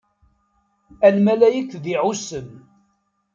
A lmalayek d-iɛussen.